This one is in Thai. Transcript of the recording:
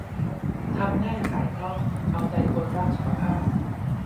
ทำง่ายขายคล่องเอาใจคนรักสุขภาพ